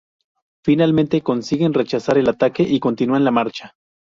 Finalmente, consiguen rechazar el ataque y continuar la marcha.